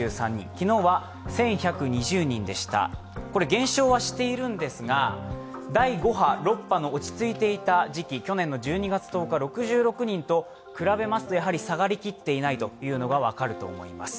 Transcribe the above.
減少はしているんですが、第５波、６波が落ち着いていた時期去年の１２月１０日の６６人と比べますとやはり下がりきっていないというのが分かると思います。